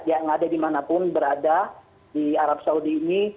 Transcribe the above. yang ada dimanapun berada di arab saudi ini